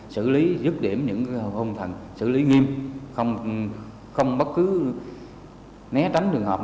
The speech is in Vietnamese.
xử lý dứt điểm những hôn thần xử lý nghiêm không bất cứ né tránh trường hợp